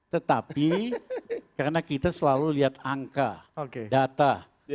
tetapi karena kita selalu lihat angka data